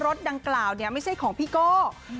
รถดังกล่าวเนี่ยไม่ใช่ของพี่โก้